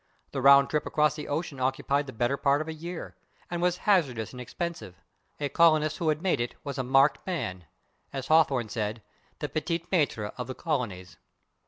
The round trip across the ocean occupied the better part of a year, and was hazardous and expensive; a colonist who had made it was a marked man, as Hawthorne said, "the /petit maître/ of the colonies."